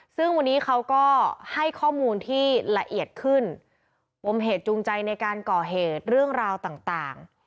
ซึ่งวันนี้เขาก็ให้ข้อมูลที่ละเอียดขึ้นปมเหตุจูงใจในการก่อเหตุเรื่องราวต่าง